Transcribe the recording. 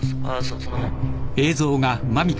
その辺。